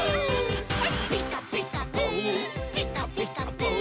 「ピカピカブ！ピカピカブ！」